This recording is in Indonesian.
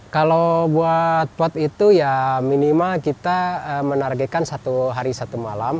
kalau buat pot itu ya minimal kita menargetkan satu hari satu malam